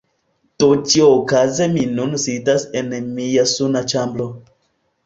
Do ĉiuokaze mi nun sidas en mia suna ĉambro.